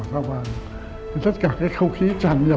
rất nhiều các cơ đồ thao vàng rất cả cái không khí tràn nhập